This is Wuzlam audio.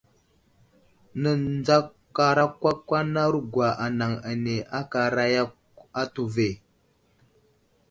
Nəzakarakwakwanarogwa anaŋ ane anay aka aray yakw atu ve.